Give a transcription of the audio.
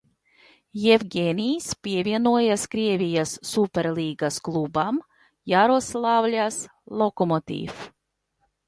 "Jevgeņijs pievienojās Krievijas Superlīgas klubam Jaroslavļas "Lokomotiv"."